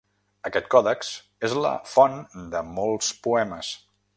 Aquest còdex és la font de molts poemes.